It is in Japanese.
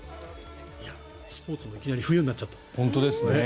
スポーツもいきなり冬になっちゃった。